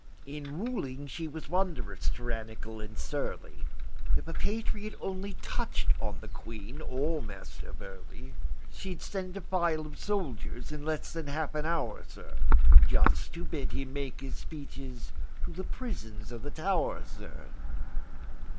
In ruling she was wonderous tyrannical and surly; If a patriot only touch'd on the Queen or Master Burleigh, She'd send a file of soldiers in less than half an hour, sir, Just to bid him make his speeches to the prisons of the Tow'r, sir!